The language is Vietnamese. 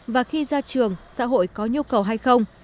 và khi ra trường xã hội có nhu cầu hay không